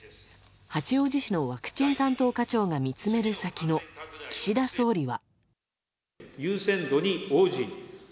八王子市のワクチン担当課長が見つめる先の岸田総理は。